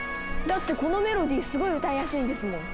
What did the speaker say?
だってこのメロディーすごい歌いやすいんですもん。